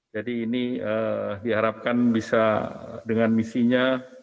jadi ini diharapkan bisa dengan misinya